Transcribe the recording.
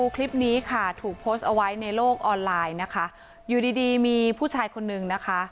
คลิปนี้ค่ะถูกโพสต์เอาไว้ในโลกออนไลน์นะคะอยู่ดีดีมีผู้ชายคนนึงนะคะ